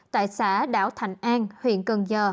tại xã đảo thành an huyện cần giờ